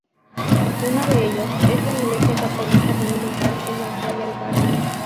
Uno de ellos es la Iglesia Católica Monumental en el Royal Garden.